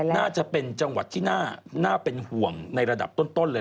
น่าจะเป็นจังหวัดที่น่าเป็นห่วงในระดับต้นเลย